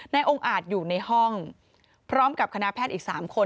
องค์อาจอยู่ในห้องพร้อมกับคณะแพทย์อีก๓คน